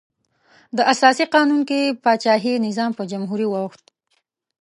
د اساسي قانون کې پاچاهي نظام په جمهوري واوښت.